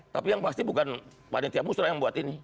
tapi yang pasti bukan panitia musrah yang buat ini